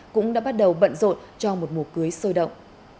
cũng đã bắt đầu bận rộn cho một mùa cưới sôi động